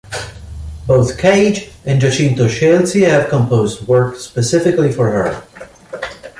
Both Cage and Giacinto Scelsi have composed works specifically for her.